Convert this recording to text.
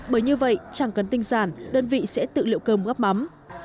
bởi như vậy chẳng cần tinh giản đơn vị sẽ tự liệu cơm góp mắm